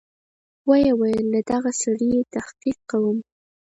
ويې ويل له دغه سړي تحقيق کوم.